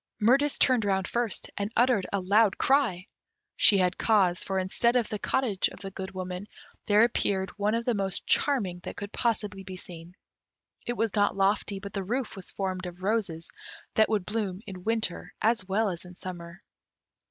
Mirtis turned round first, and uttered a loud cry; she had cause; for instead of the cottage of the Good Woman, there appeared one of the most charming that could possibly be seen. It was not lofty, but the roof was formed of roses that would bloom in winter as well as in summer.